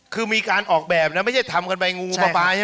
คือมีการออกแบบนะไม่ใช่ทำกันไปงูงูปลาใช่มั้ย